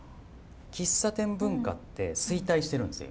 喫茶店文化って衰退してるんですよ